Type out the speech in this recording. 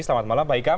selamat malam pak ikam